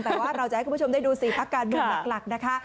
แต่ว่าเราจะให้คุณผู้ชมได้ดู๔พักการเมืองหลักนะคะ